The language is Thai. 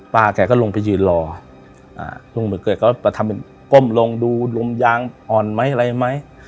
แกก็ลงไปยืนรอลุงบังเกิดก็มาทำเป็นก้มลงดูลมยางอ่อนไหมอะไรไหม